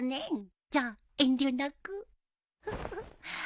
じゃあ遠慮なく。